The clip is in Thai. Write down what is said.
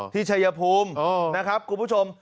ชัยภูมินะครับคุณผู้ชม